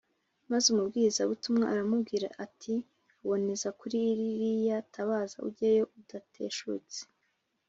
Maze Umubwirizabutumwa aramubwira ati: “uboneze kuri ririya tabaza, ujyeyo, udateshutse